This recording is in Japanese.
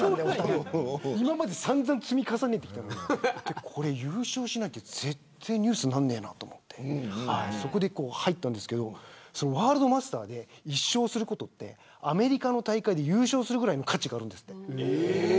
今まで散々積み重ねてきたのに優勝しなきゃ絶対ニュースにならないなと思ってそこで入ったんですけどワールドマスターで１勝することってアメリカの大会で優勝するぐらいの価値があるんですって。